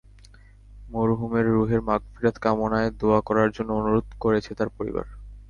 মরহুমের রুহের মাগফিরাত কামনায় দোয়া করার জন্য অনুরোধ করেছে তাঁর পরিবার।